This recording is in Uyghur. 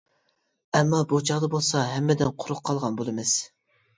ئەمما بۇ چاغدا بولسا ھەممىدىن قۇرۇق قالغان بولىمىز.